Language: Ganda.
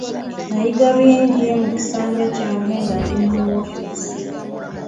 Nayiga bingi mu kisanja kyange nga ndi mu woofiisi.